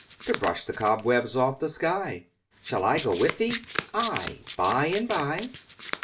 To brush the cobwebs off the sky! Shall I go with thee? Aye, by and bye.